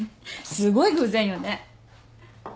すごい偶然よね。